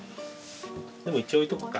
でも一応置いとくか。